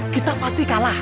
kita pasti kalah